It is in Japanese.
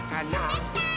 できたー！